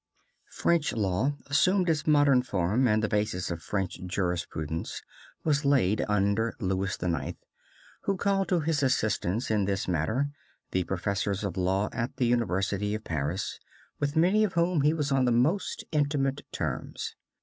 French law assumed its modern form, and the basis of French jurisprudence was laid, under Louis IX., who called to his assistance, in this matter, the Professors of Law at the University of Paris, with many of whom he was on the most intimate terms.